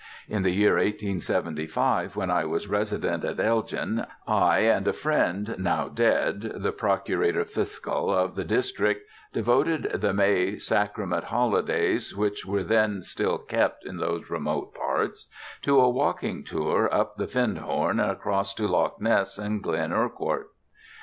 In the year 1875, when I was resident at Elgin, I and a friend now dead, the Procurator Fiscal of the district, devoted the May "Sacrament holidays," which were then still kept in those remote parts, to a walking tour up the Findhorn and across to Loch Ness and Glen Urquhart.